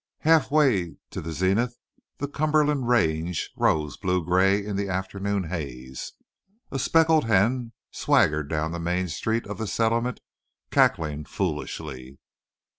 Half way to the zenith the Cumberland range rose blue gray in the afternoon haze. A speckled hen swaggered down the main street of the "settlement," cackling foolishly.